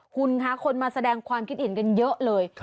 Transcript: คุณคะคนมาแสดงความคิดเห็นกันเยอะเลย